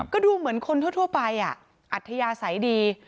ก็ดูเหมือนคนทั่วไปอัธยาศัยดี